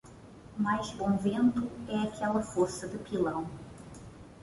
Mais bom vento é aquela força de pilão.